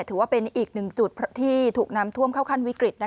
ถือว่าเป็นอีกหนึ่งจุดที่ถูกน้ำท่วมเข้าขั้นวิกฤต